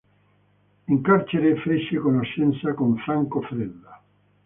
In carcere fece conoscenza con Franco Freda.